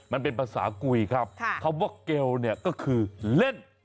มันเป็นภาษากุยครับคำว่าเกลเนี่ยก็คือเล่น